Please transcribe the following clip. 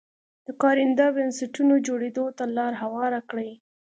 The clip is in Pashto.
د کارنده بنسټونو جوړېدو ته لار هواره کړي.